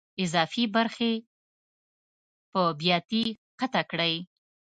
اضافي برخې په بیاتي قطع کړئ.